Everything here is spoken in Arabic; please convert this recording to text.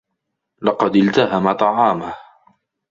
لقد التهمَ طعامه.